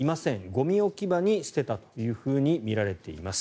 ゴミ置き場に捨てたというふうにみられています。